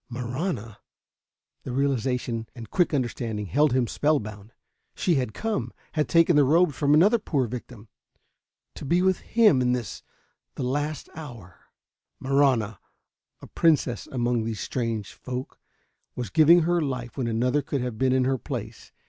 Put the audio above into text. Marahna! The realization and quick understanding held him spellbound. She had come, had taken the robes from another poor victim ... to be with him in this, the last hour.... Marahna a princess among these strange folk was giving her life when another could have been in her place.